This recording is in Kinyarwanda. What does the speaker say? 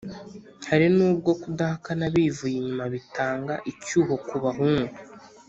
hari n’ubwo kudahakana bivuye inyuma bitanga icyuho ku bahungu